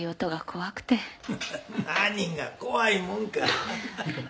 何が怖いもんかハハッ。